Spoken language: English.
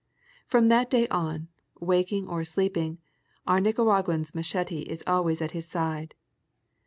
From that day on, waking or sleeping, our Nicaraguan's machete is always at his side.